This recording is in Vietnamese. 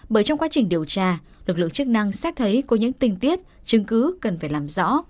bởi trong quá trình điều tra lực lượng chức năng xét thấy có những tình tiết chứng cứ cần phải làm rõ